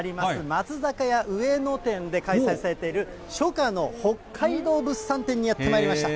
松坂屋上野店で開催されている、初夏の北海道物産展にやってまいりました。